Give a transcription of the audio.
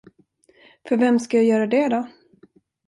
För vem ska jag göra det då?